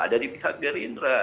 dari pihak gerindra